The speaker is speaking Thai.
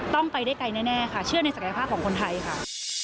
ต้องไปได้ไกลแน่ค่ะเชื่อในศักยภาพของคนไทยค่ะ